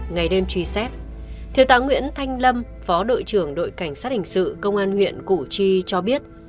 ngày đêm truy xét thiếu tá nguyễn thanh lâm phó đội trưởng đội cảnh sát hình sự công an huyện củ chi cho biết